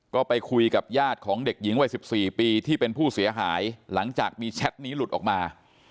ก็ไปคุยกับญาติของเด็กหญิงวัย๑๔ปีที่เป็นผู้เสียหายหลังจากมีแชทนี้หลุดออกมา